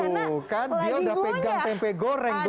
aduh kan dia udah pegang tempe goreng tuh